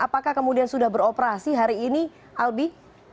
apakah kemudian sudah beroperasi hari ini albi